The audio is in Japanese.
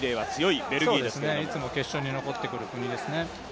いつも決勝に残ってくる国ですね。